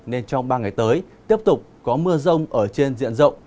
nên trong ba ngày tới tiếp tục có mưa rông ở trên diện rộng